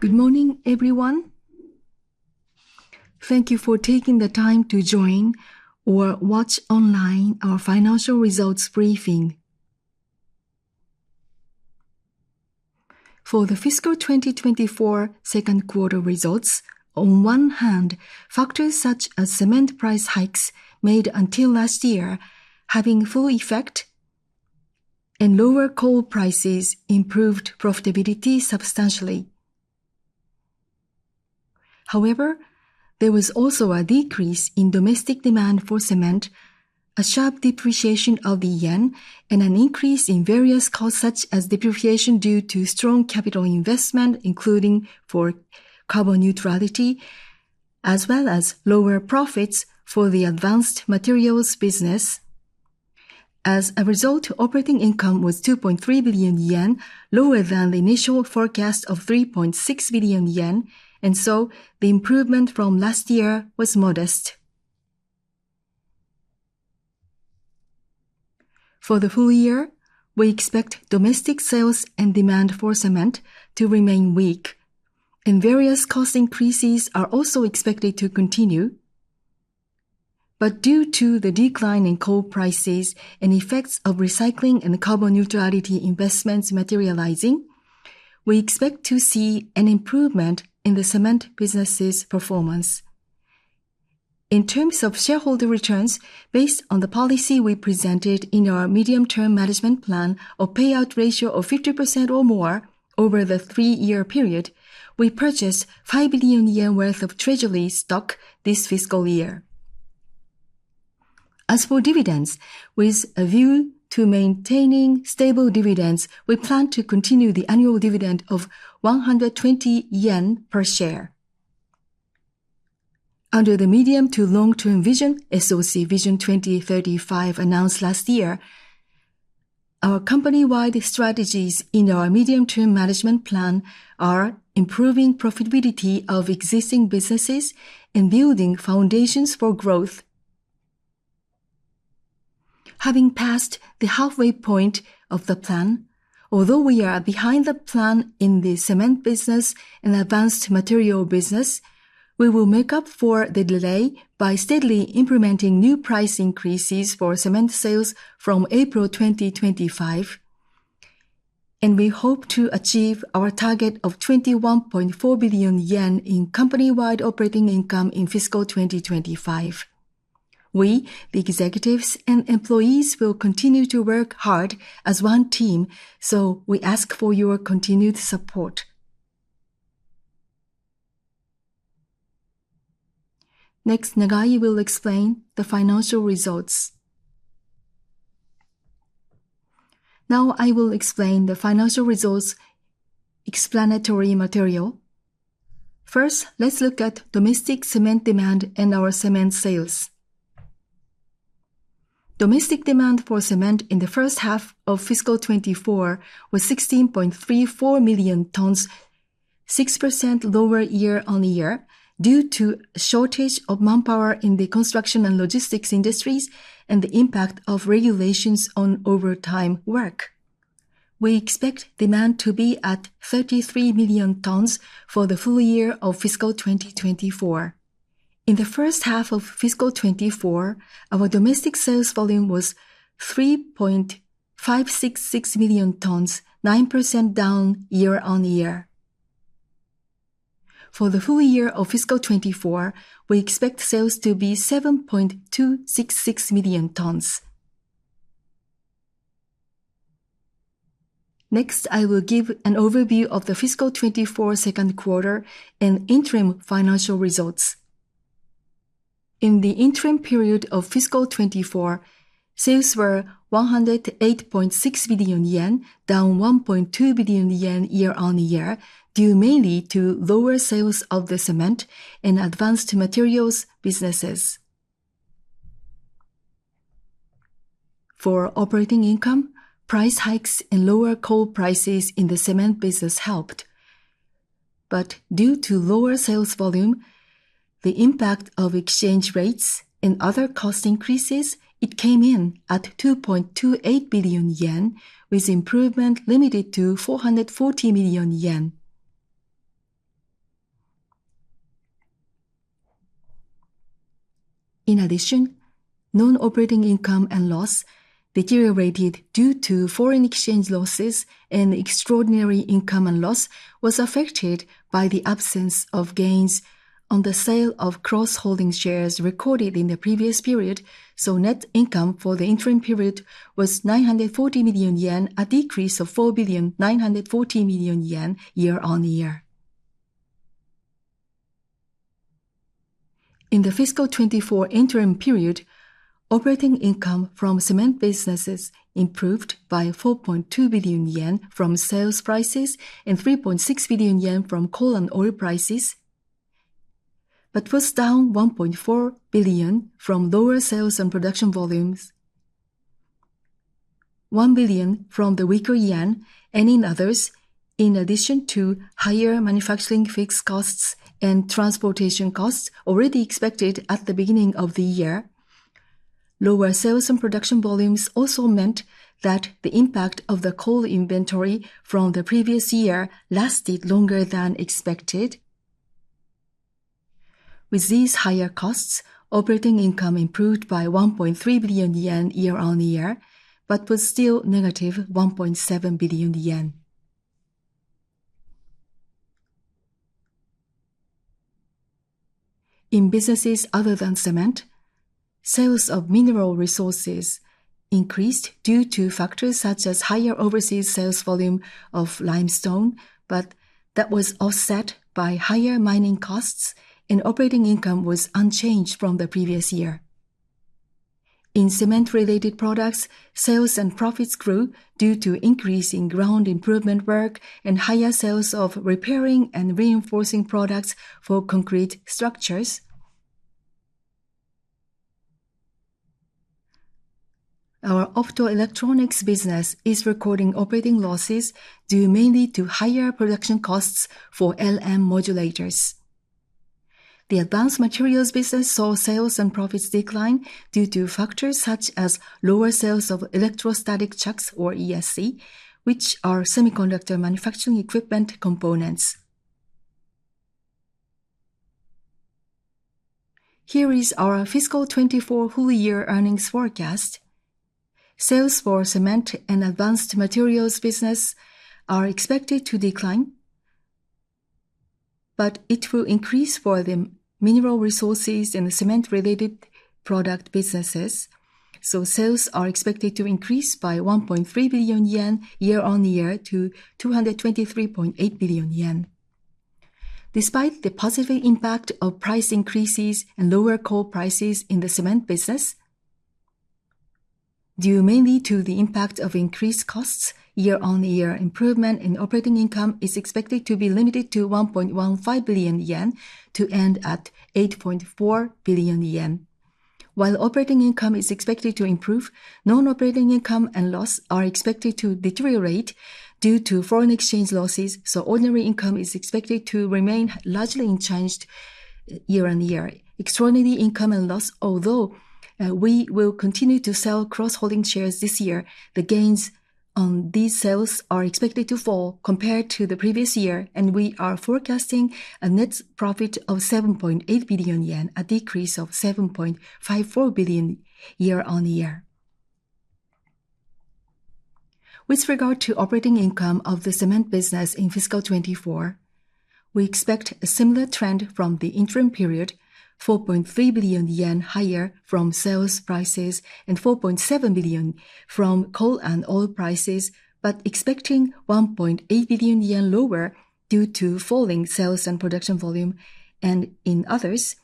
Good morning, everyone. Thank you for taking the time to join or watch online our financial results briefing. For the fiscal 2024 second quarter results, on one hand, factors such as cement price hikes made until last year having full effect, and lower coal prices improved profitability substantially. However, there was also a decrease in domestic demand for cement, a sharp depreciation of the yen, and an increase in various costs such as depreciation due to strong capital investment, including for carbon neutrality, as well as lower profits for the advanced materials business. As a result, operating income was 2.3 billion yen, lower than the initial forecast of 3.6 billion yen, and so the improvement from last year was modest. For the full year, we expect domestic sales and demand for cement to remain weak, and various cost increases are also expected to continue. But due to the decline in coal prices and effects of recycling and carbon neutrality investments materializing, we expect to see an improvement in the cement business's performance. In terms of shareholder returns, based on the policy we presented in our medium-term management plan of payout ratio of 50% or more over the three-year period, we purchased 5 billion yen worth of treasury stock this fiscal year. As for dividends, with a view to maintaining stable dividends, we plan to continue the annual dividend of 120 yen per share. Under the medium to long-term vision, SOC Vision 2035 announced last year, our company-wide strategies in our medium-term management plan are improving profitability of existing businesses and building foundations for growth. Having passed the halfway point of the plan, although we are behind the plan in the cement business and advanced materials business, we will make up for the delay by steadily implementing new price increases for cement sales from April 2025, and we hope to achieve our target of 21.4 billion yen in company-wide operating income in fiscal 2025. We, the executives and employees, will continue to work hard as one team, so we ask for your continued support. Next, Nagai will explain the financial results. Now I will explain the financial results explanatory material. First, let's look at domestic cement demand and our cement sales. Domestic demand for cement in the first half of fiscal 2024 was 16.34 million tons, 6% lower year on year due to a shortage of manpower in the construction and logistics industries and the impact of regulations on overtime work. We expect demand to be at 33 million tons for the full year of fiscal 2024. In the first half of fiscal 2024, our domestic sales volume was 3.566 million tons, 9% down year on year. For the full year of fiscal 2024, we expect sales to be 7.266 million tons. Next, I will give an overview of the fiscal 2024 second quarter and interim financial results. In the interim period of fiscal 2024, sales were 108.6 billion yen, down 1.2 billion yen year on year due mainly to lower sales of the cement and advanced materials businesses. For operating income, price hikes and lower coal prices in the cement business helped, but due to lower sales volume, the impact of exchange rates, and other cost increases, it came in at 2.28 billion yen, with improvement limited to 440 million yen. In addition, non-operating income and loss, deteriorated due to foreign exchange losses and extraordinary income and loss, was affected by the absence of gains on the sale of cross-holding shares recorded in the previous period, so net income for the interim period was 940 million yen, a decrease of 4,940 million yen year on year. In the fiscal 2024 interim period, operating income from cement businesses improved by 4.2 billion yen from sales prices and 3.6 billion yen from coal and oil prices, but was down 1.4 billion from lower sales and production volumes, one billion from the weaker yen and in others, in addition to higher manufacturing fixed costs and transportation costs already expected at the beginning of the year. Lower sales and production volumes also meant that the impact of the coal inventory from the previous year lasted longer than expected. With these higher costs, operating income improved by 1.3 billion yen year on year, but was still negative 1.7 billion yen. In businesses other than cement, sales of mineral resources increased due to factors such as higher overseas sales volume of limestone, but that was offset by higher mining costs, and operating income was unchanged from the previous year. In cement-related products, sales and profits grew due to increasing ground improvement work and higher sales of repairing and reinforcing products for concrete structures. Our optoelectronics business is recording operating losses due mainly to higher production costs for LN modulators. The advanced materials business saw sales and profits decline due to factors such as lower sales of electrostatic chucks or ESC, which are semiconductor manufacturing equipment components. Here is our fiscal 2024 full year earnings forecast. Sales for cement and advanced materials business are expected to decline, but it will increase for the mineral resources and cement-related product businesses, so sales are expected to increase by 1.3 billion yen year on year to 223.8 billion yen. Despite the positive impact of price increases and lower coal prices in the cement business, due mainly to the impact of increased costs year on year, improvement in operating income is expected to be limited to 1.15 billion yen to end at 8.4 billion yen. While operating income is expected to improve, non-operating income and loss are expected to deteriorate due to foreign exchange losses, so ordinary income is expected to remain largely unchanged year on year. Extraordinary income and loss. Although we will continue to sell cross-holding shares this year, the gains on these sales are expected to fall compared to the previous year, and we are forecasting a net profit of 7.8 billion yen, a decrease of 7.54 billion JPY year on year. With regard to operating income of the cement business in fiscal 2024, we expect a similar trend from the interim period, 4.3 billion yen higher from sales prices and 4.7 billion JPY from coal and oil prices, but expecting 1.8 billion yen lower due to falling sales and production volume, and in others,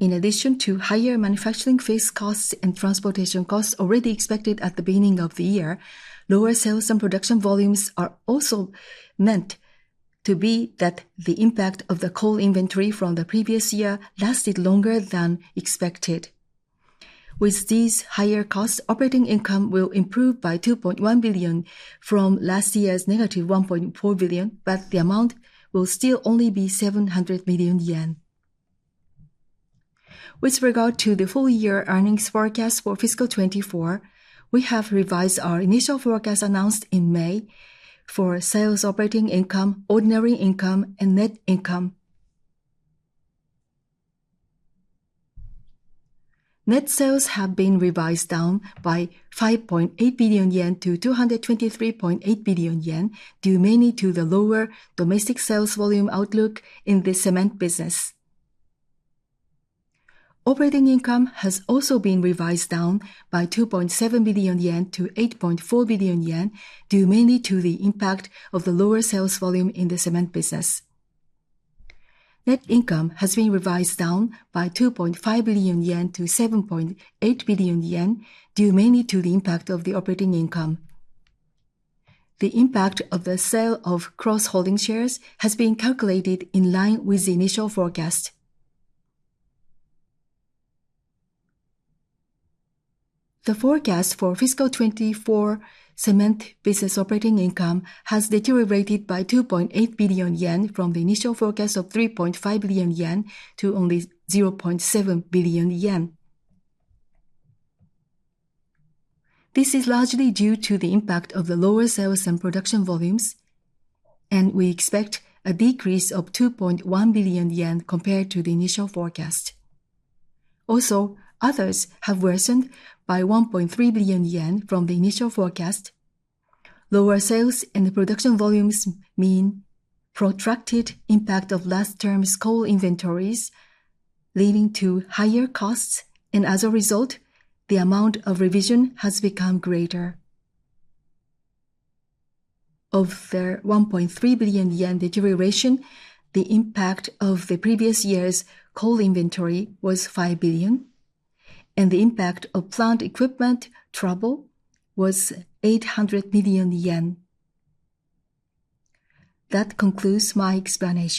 in addition to higher manufacturing fixed costs and transportation costs already expected at the beginning of the year, lower sales and production volumes are also meant to be that the impact of the coal inventory from the previous year lasted longer than expected. With these higher costs, operating income will improve by 2.1 billion from last year's negative 1.4 billion, but the amount will still only be 700 million yen. With regard to the full year earnings forecast for fiscal 2024, we have revised our initial forecast announced in May for sales, operating income, ordinary income, and net income. Net sales have been revised down by 5.8 billion yen to 223.8 billion yen, due mainly to the lower domestic sales volume outlook in the cement business. Operating income has also been revised down by 2.7 billion yen to 8.4 billion yen, due mainly to the impact of the lower sales volume in the cement business. Net income has been revised down by 2.5 billion yen to 7.8 billion yen, due mainly to the impact of the operating income. The impact of the sale of cross-holding shares has been calculated in line with the initial forecast. The forecast for fiscal 2024 cement business operating income has deteriorated by 2.8 billion yen from the initial forecast of 3.5 billion yen to only 0.7 billion yen. This is largely due to the impact of the lower sales and production volumes, and we expect a decrease of 2.1 billion yen compared to the initial forecast. Also, others have worsened by 1.3 billion yen from the initial forecast. Lower sales and production volumes mean protracted impact of last term's coal inventories, leading to higher costs, and as a result, the amount of revision has become greater. Of the 1.3 billion yen deterioration, the impact of the previous year's coal inventory was 5 billion, and the impact of plant equipment trouble was 800 million yen. That concludes my explanation.